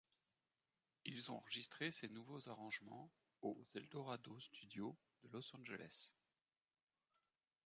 Ils ont enregistré ces nouveaux arrangements aux El Dorado Studios de Los Angeles.